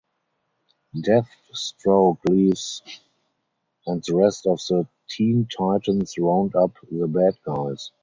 Deathstroke leaves and the rest of the Teen Titans round up the bad guys.